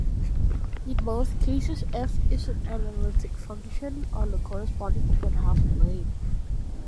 In both cases "f" is an analytic function on the corresponding open half plane.